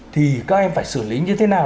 thì các em phải xử lý như thế nào